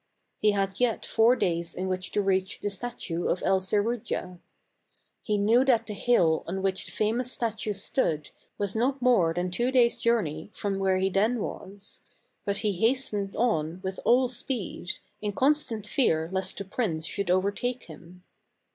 He had yet four days in which to reach the statue of El Serujah. He knew that the hill on which the famous statue stood was not more than two days' journey from where he then was ; but he hastened on with all speed, in constant fear lest the prince should overtake him.